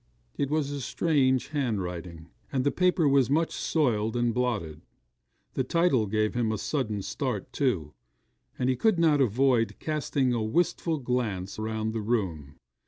It was a strange handwriting, and the paper was much soiled and blotted. The title gave him a sudden start, too; and he could not avoid casting a wistful glance round the room.